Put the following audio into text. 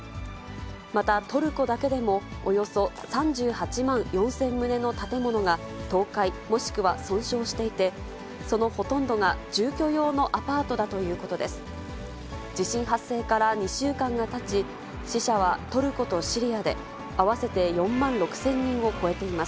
またトルコだけでも、およそ３８万４０００棟の建物が、倒壊、もしくは損傷していて、そのほとんどが住居用のアパートだということです。